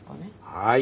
はい。